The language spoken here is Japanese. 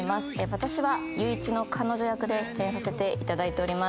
私は裕一の彼女役で出演させていただいております